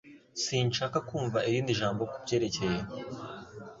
Sinshaka kumva irindi jambo kubyerekeye!